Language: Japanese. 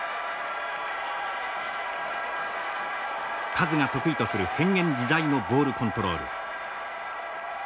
カズが得意とする変幻自在のボールコントロール。